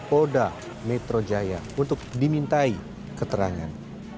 polda metro jaya untuk dimintai keterangan